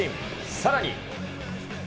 さらに。